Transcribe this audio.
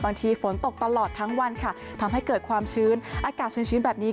ฝนตกตลอดทั้งวันค่ะทำให้เกิดความชื้นอากาศชื้นแบบนี้